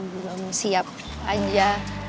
belum siap aja